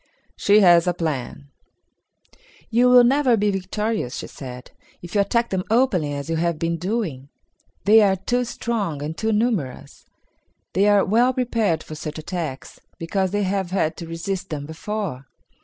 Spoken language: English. She Has a Plan. "You will never be victorious," she said, "if you attack them openly as you have been doing. They are too strong and too numerous. They are well prepared for such attacks, because they have had to resist them before."